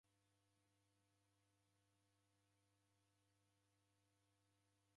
W'amrika w'alazi itanaha ndew'ine vaghu